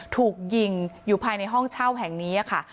ถูกยิงอยู่ภายในห้องเช่าแห่งนี้ค่ะ